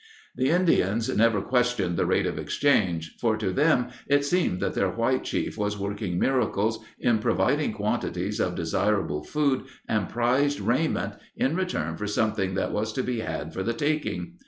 The Indians never questioned the rate of exchange, for to them it seemed that their white chief was working miracles in providing quantities of desirable food and prized raiment in return for something that was to be had for the taking.